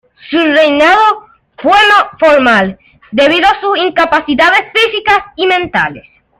Su reinado fue formal debido a sus incapacidades físicas y mentales.